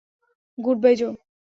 Good bye, Joe.